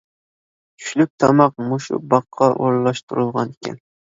چۈشلۈك تاماق مۇشۇ باغقا ئورۇنلاشتۇرۇلغان ئىكەن.